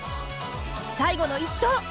最後の１投！